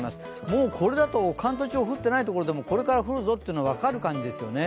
もうこれだと関東地方降ってないところでもこれから降るぞというのが分かる感じですよね。